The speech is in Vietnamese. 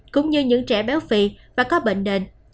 cũng như những trẻ béo phì và có bệnh nền